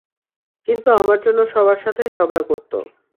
কিন্তু আমার জন্য সবার সাথেই ঝগড়া করতো।